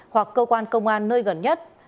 hoặc cơ quan công an nơi gần nhất